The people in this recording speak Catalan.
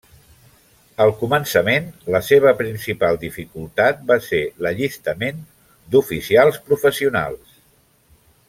Al començament, la seva principal dificultat va ser l'allistament d'oficials professionals.